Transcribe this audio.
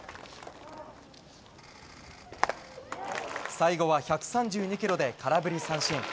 最後は１３２キロで空振り三振。